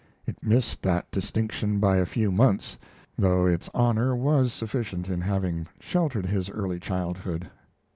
It missed that distinction by a few months, though its honor was sufficient in having sheltered his early childhood.